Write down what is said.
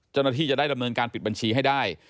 เจ้าหน้าที่จะได้ดำเนินการปิดบัญชีให้ได้